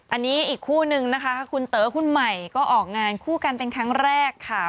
อันนี้อีกคู่นึงนะคะคุณเต๋อคุณใหม่ก็ออกงานคู่กันเป็นครั้งแรกค่ะ